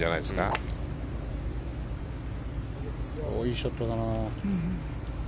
いいショットだな。